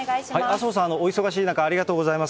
麻生さん、お忙しい中、ありがとうございます。